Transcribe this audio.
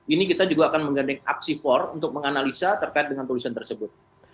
ini kita juga akan menggandeng aksi por untuk menganalisa terkait dengan tulisan tersebut